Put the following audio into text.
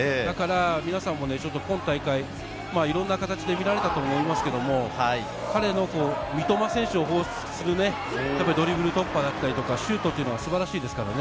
皆さんも今大会、いろんな形で見られたと思いますけど、彼の三笘選手を彷彿とするドリブル突破だったりとか、シュートはすごいですからね。